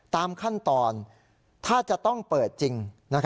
ตามขั้นตอนถ้าจะต้องเปิดจริง